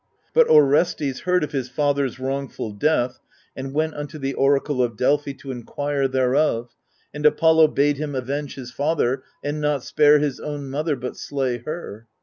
But Orestes heard of his father's wrongful death, and went unto the oracle of Delphi to enquire thereof, and Apollo bade him avenge his father, and not spare his own mother but slay her.